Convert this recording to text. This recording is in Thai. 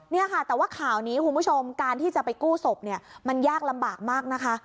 เนี่ยค่ะแต่ว่าข่าวนี้คุณผู้ชมการที่จะไปกู้ศพเนี่ยมันยากลำบากมากนะคะ